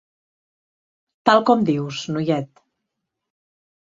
Tal com dius, noiet.